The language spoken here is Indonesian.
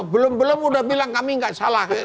belum belum udah bilang kami nggak salah